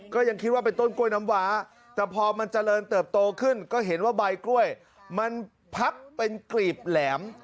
ก็ยังคิดว่าเป็นต้นกล้วยน้ำว้าแต่พอมันเจริญเติบโตขึ้นก็เห็นว่าใบกล้วยมันพับเป็นกรีบแหลม